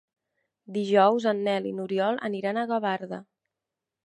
Dijous en Nel i n'Oriol aniran a Gavarda.